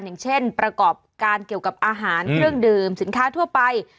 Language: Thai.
อย่างเช่นประกอบการเกี่ยวกับอาหารเครื่องดื่มสินค้าทั่วไป